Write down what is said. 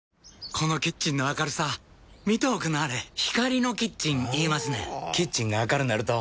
このキッチンの明るさ見ておくんなはれ光のキッチン言いますねんほぉキッチンが明るなると・・・